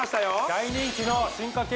大人気の進化系